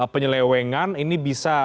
penyelewengan ini bisa